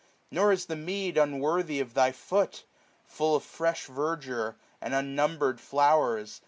Nor is the mead unworthy of thy foot, 500 Full of fresh verdure, and unnumbered flowers.